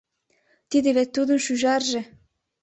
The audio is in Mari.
Тиде вет тудын шӱжарже.